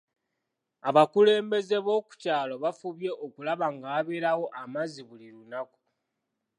Abakulembeze b'oku kyalo bafubye okulaba nga wabeerawo amazzi buli lunaku.